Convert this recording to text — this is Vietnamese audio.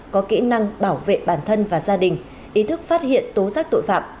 có kỹ năng bảo vệ bản thân và gia đình ý thức phát hiện tố giác tội phạm